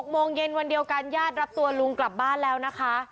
โมงเย็นวันเดียวกันญาติรับตัวลุงกลับบ้านแล้วนะคะ